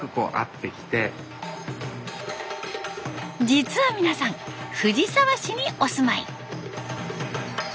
実は皆さん藤沢市にお住まい。